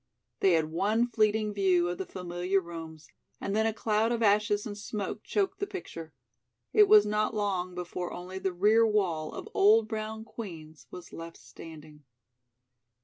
They had one fleeting view of the familiar rooms, and then a cloud of ashes and smoke choked the picture. It was not long before only the rear wall of old brown Queen's was left standing.